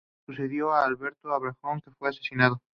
Sucedió a Alberto Avogadro que fue asesinado.